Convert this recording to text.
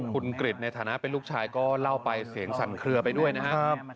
คุณกริจในฐานะเป็นลูกชายก็เล่าไปเสียงสั่นเคลือไปด้วยนะครับ